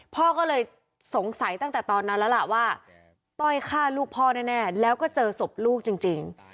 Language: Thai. พ่อก็เลยสงสัยตั้งแต่ตอนนั้นแล้วล่ะว่าต้อยฆ่าลูกพ่อแน่แล้วก็เจอศพลูกจริง